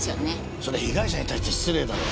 それ被害者に対して失礼だろう。